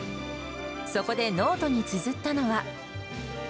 そこでノートにつづったのは。